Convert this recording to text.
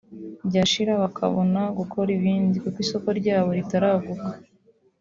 byashira bakabona gukora ibindi kuko isoko ryabo ritaraguka